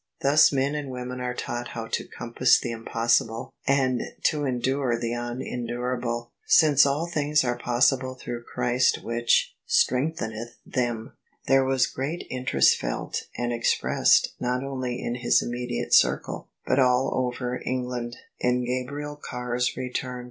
Thus men and women afe taught how to compass the impossible and [ 338 ] OF ISABEL CARNABY . to endure the unendurable: since all things are possible through Christ Which strengtheneth them. There was great interest felt and expressed not only in his immediate circle but all over England, in Gabriel Carr's return.